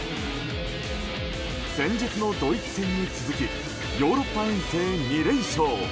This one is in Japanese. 先日のドイツ戦に続きヨーロッパ遠征２連勝。